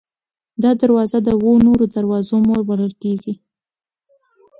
دا دروازه د اوو نورو دروازو مور بلل کېږي.